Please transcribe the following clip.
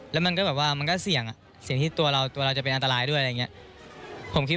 แล้วมันก็แบบว่ามันก็เสี่ยงอ่ะเสี่ยงเสี่ยงที่ตัวเราตัวเราจะเป็นอันตรายด้วยอะไรอย่างนี้